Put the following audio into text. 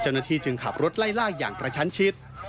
เจ้าหน้าที่จึงขับรถไล่ล่าอย่างประชันชิด